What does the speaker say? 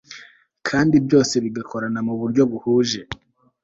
kandi byose bigakorana mu buryo buhuje